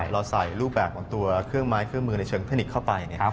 เราใส่รูปแบบของตัวเครื่องไม้เครื่องมือในเชิงเทคนิคเข้าไป